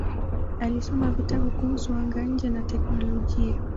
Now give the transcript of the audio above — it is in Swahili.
Alisoma vitabu kuhusu anga-nje na teknolojia.